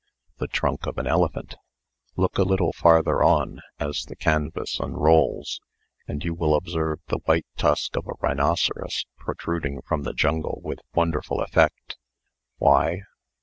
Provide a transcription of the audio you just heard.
"The trunk of an elephant. Look a little farther on, as the canvas unrolls, and you will observe the white tusk of a rhinoceros protruding from the jungle with wonderful effect. Why?